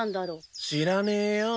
知らねえよ。